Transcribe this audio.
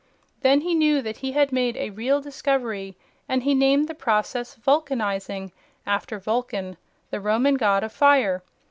Then he knew that he had made a real discovery and he named the process "vulcanizing" after Vulcan, the Roman god of fire.